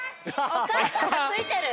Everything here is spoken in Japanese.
おかあさんがついてる？